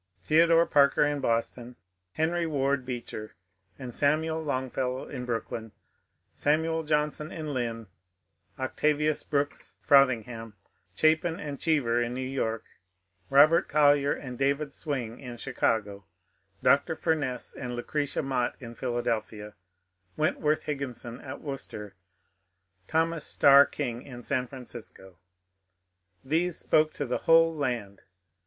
Theodore Parker in Boston, Henry Ward Beecher and Samuel Longfellow in Brooklyn, Samuel Johnson in Ljmn, Octavius Brooks Frothingham, Chapin, and Cheever in New York, Robert Collyer and David Swing in Chicago, Dr. Fumess and Lucretia Mott in Philadelphia, Wentworth Higginson at Worcester, Thomas Starr King in San Fran cisco,— these spoke to the whole land.